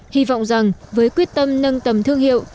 hy vọng rằng với quyết tâm nâng tầm thương hiệu